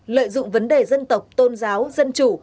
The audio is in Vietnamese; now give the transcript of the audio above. lợi dụng vấn đề dân tộc tôn giáo dân chủ